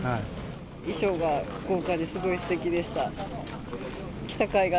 衣装が豪華で、すごいすてきでした。